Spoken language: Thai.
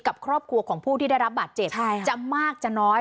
กับครอบครัวของผู้ที่ได้รับบาดเจ็บจะมากจะน้อย